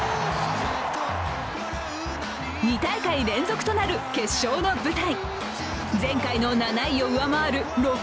２大会連続となる決勝の舞台。